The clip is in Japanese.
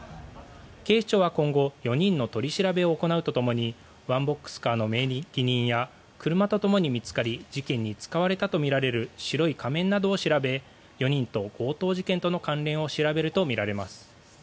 警視庁は今後４人の取り調べを行うとともにワンボックスカーの名義人や車とともに見つかり事件に使われたとみられる白い仮面などを調べ４人と強盗事件との関連を調べるとみられます。